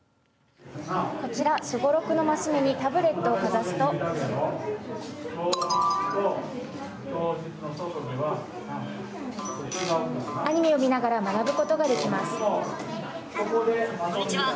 こちら、すごろくのマス目にタブレットをかざすとアニメを見ながら学ぶことができます。